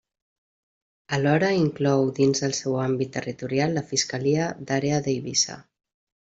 Alhora inclou dins del seu àmbit territorial la Fiscalia d'Àrea d'Eivissa.